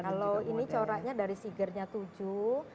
kalau ini coraknya dari sigernya tujuh